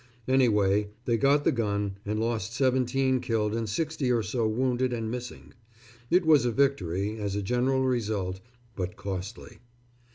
Anyway, they got the gun, and lost seventeen killed and sixty or so wounded and missing. It was a victory, as a general result, but costly.